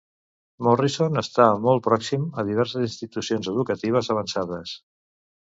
Morrison està molt pròxim a diverses institucions educatives avançades.